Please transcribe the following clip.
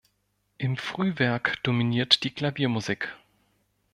Im Frühwerk dominiert die Klaviermusik.